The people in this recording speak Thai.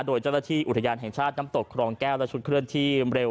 โดยเจ้าหน้าที่อุทยานแห่งชาติน้ำตกครองแก้วและชุดเคลื่อนที่เร็ว